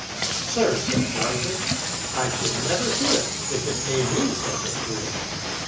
" Sir," said Johnson, " I should never hear it, if it made me such a fool."